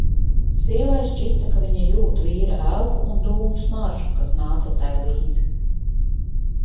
Sievai šķita, ka viņa jūt vīra elpu un dūmu smaržu, kas nāca tai līdz.